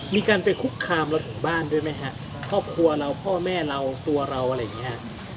มีการไปคุกคามเราถึงบ้านด้วยไหมฮะครอบครัวเราพ่อแม่เราตัวเราอะไรอย่างเงี้ฮะ